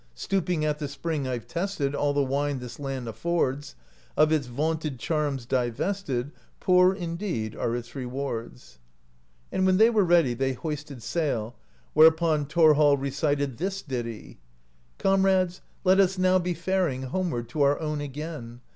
Stooping at the spring, Tve tested All the wine this land affords; Of its vaunted charms divested, Poor indeed are its rewards. 53 AMERICA DISCOVERED BY NORSEMEN And when they were ready, they hoisted sail; where upon Thorhall recited this ditty: Comrades, let us now be faring Homeward to our own again!